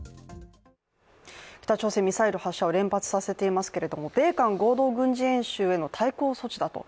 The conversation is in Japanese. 北朝鮮、ミサイル発射を連発させていますけど、米韓合同軍事演習の対抗措置だと。